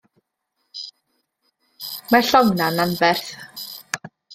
Mae'r llong 'na 'n anferth.